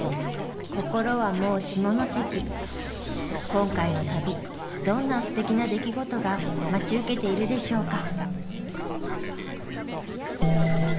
今回の旅どんなすてきな出来事が待ち受けているでしょうか。